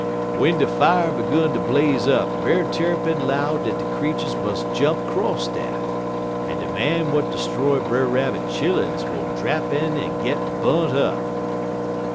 "W'en de fier 'gun ter blaze up, Brer Tarrypin 'low dat de creeturs mus' jump 'cross dat, en de man w'at 'stroy Brer Rabbit chilluns will drap in en git bu'nt up.